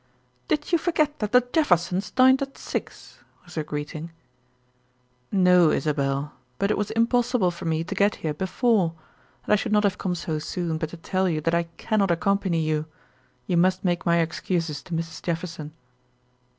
"Did you forget that the Jeffersons dined at six?" was her greeting. "No, Isabel; but it was impossible for me to get here before. And I should not have come so soon, but to tell you that I cannot accompany you. You must make my excuses to Mrs. Jefferson."